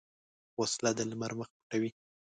وسله د لمر مخ پټوي